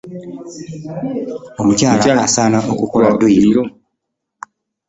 Omukyala asaana okukola dduyiro.